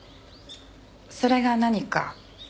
それが何か？